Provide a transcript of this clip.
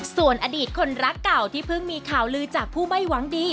ส่วนอดีตคนรักเก่าที่เพิ่งมีข่าวลือจากผู้ไม่หวังดี